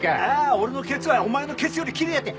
俺のケツはお前のケツよりきれいやて。